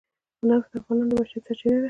نفت د افغانانو د معیشت سرچینه ده.